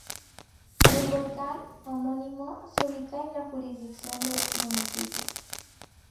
El volcán homónimo se ubica en la jurisdicción del municipio.